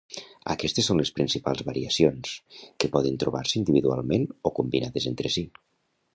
Aquestes són les principals variacions, que poden trobar-se individualment o combinades entre si.